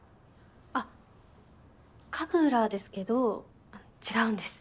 あ神楽ですけど違うんです。